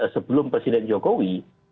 sebelum presiden jokowi